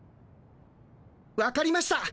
わかりました。